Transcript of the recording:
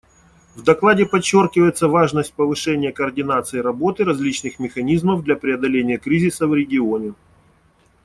В докладе подчеркивается важность повышения координации работы различных механизмов для преодоления кризиса в регионе.